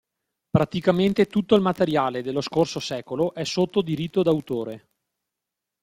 Praticamente tutto il materiale dello scorso secolo è sotto diritto d'autore.